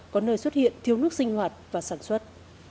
có nơi xuất hiện thiếu nước sinh hoạt và sản xuất